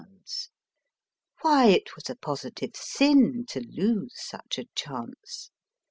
Why, it was a positive sin to lose such a chance.